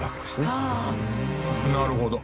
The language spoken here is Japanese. なるほど。